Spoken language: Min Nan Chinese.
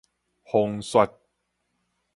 風說